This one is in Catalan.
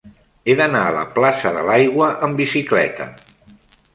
He d'anar a la plaça de l'Aigua amb bicicleta.